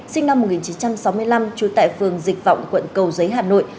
sinh năm một nghìn chín trăm sáu mươi năm trú tại phường dịch vọng quận cầu giấy hà nội